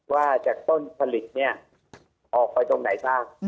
ว่าจากต้นผลิตเนี่ยออกไปตรงไหนทราบ